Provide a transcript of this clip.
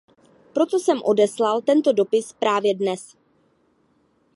Proto jsem odeslal tento dopis právě dnes.